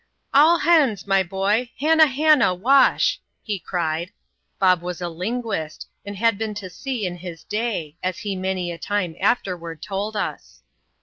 " All ban's, my boy, hanna hanna, wash !" he cried. Bob was a linguist, and had been to sea in his day, as he many a time afterward told us.